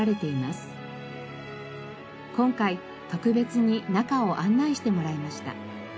今回特別に中を案内してもらいました。